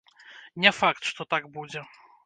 Не факт, што так будзе.